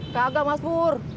gak mas pur